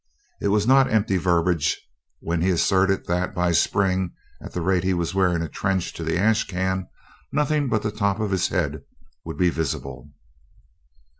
It was not empty verbiage when he asserted that, by spring, at the rate he was wearing a trench to the ash can, nothing but the top of his head would be visible.